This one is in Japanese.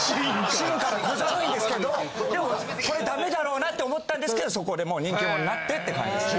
・芯から小寒いんですけどでもこれダメだろうなって思ったんですけどそこでもう人気者になってって感じですね。